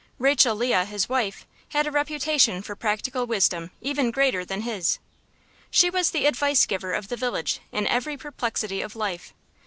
Rachel Leah, his wife, had a reputation for practical wisdom even greater than his. She was the advice giver of the village in every perplexity of life.